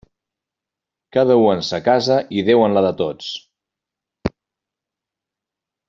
Cada u en sa casa, i Déu en la de tots.